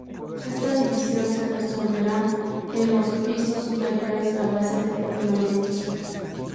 Esta división se resolverá en los pisos superiores a base de ornamentos.